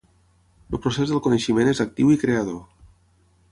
El procés del coneixement és actiu i creador.